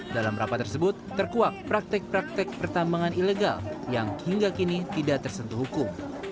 dalam rapat tersebut terkuak praktek praktek pertambangan ilegal yang hingga kini tidak tersentuh hukum